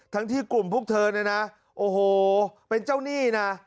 ทั้งที่กลุ่มพวกเธอเนี่ยนะโอ้โหเป็นเจ้าหนี้นะ